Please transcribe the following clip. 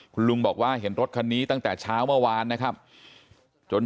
คุณลุงบอกว่าเห็นรถคันนี้ตั้งแต่เช้าเมื่อวานนะครับจน